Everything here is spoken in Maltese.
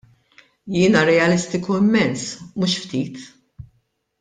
Jiena realistiku immens, mhux ftit.